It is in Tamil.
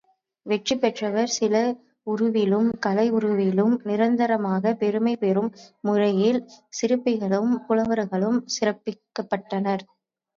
வெற்றி பெற்றவர் சில உருவிலும், கலை உருவிலும் நிரந்தரமாகப் பெருமை பெறும் முறையில், சிற்பிகளாலும், புலவர்களாலும், சிறப்பிக்கப்பட்டனர்.